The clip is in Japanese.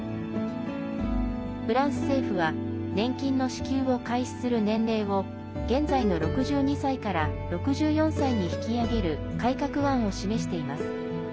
フランス政府は年金の支給を開始する年齢を現在の６２歳から６４歳に引き上げる改革案を示しています。